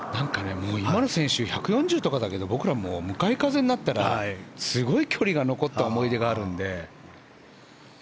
もう、今の選手１４０とかだけど僕らはもう、向かい風になったらすごい距離が残った思い出があるので。